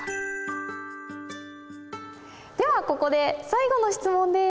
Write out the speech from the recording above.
ではここで最後の質問です。